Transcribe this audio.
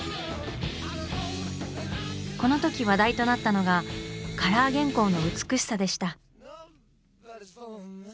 このとき話題となったのがカラー原稿の美しさでした。